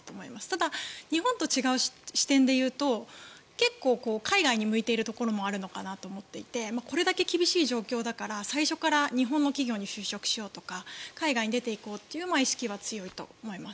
ただ、日本と違う視点でいうと結構、海外に向いているところもあるのかなと思っていてこれだけ厳しい状況だから最初から日本の企業に就職しようとか海外に出ていこうという意識は強いかなと思います。